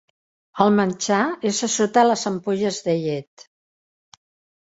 El menjar és a sota les ampolles de llet.